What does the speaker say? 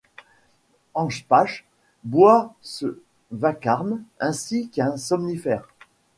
Anspach boit ce vacarme ainsi qu'un somnifère.